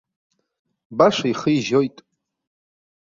Баша ихы ижьоит.